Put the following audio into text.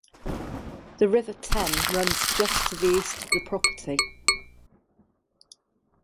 The River Thame runs just to the east of the property.